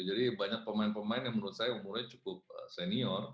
jadi banyak pemain pemain yang menurut saya umurnya cukup senior